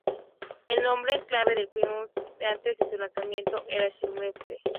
El nombre en clave del Pentium D antes de su lanzamiento era Smithfield.